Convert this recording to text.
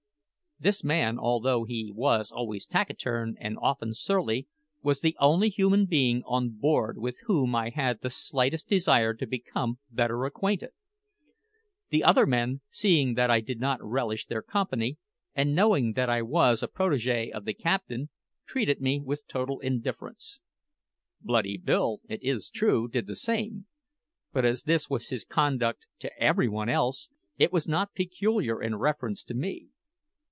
This man, although he was always taciturn and often surly, was the only human being on board with whom I had the slightest desire to become better acquainted. The other men, seeing that I did not relish their company, and knowing that I was a protege of the captain, treated me with total indifference. Bloody Bill, it is true, did the same; but as this was his conduct to every one else, it was not peculiar in reference to me.